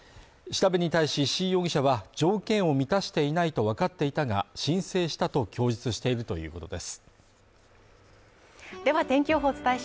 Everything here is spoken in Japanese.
調べに対し石井容疑者は、条件を満たしていないとわかっていたが、申請したと供述しているということです。